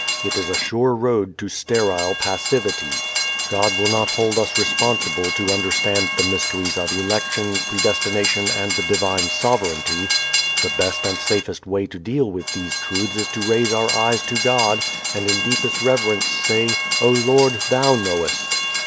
It is a sure road to sterile passivity. God will not hold us responsible to understand the mysteries of election, predestination and the divine sovereignty. The best and safest way to deal with these truths is to raise our eyes to God and in deepest reverence say, "O Lord, Thou knowest."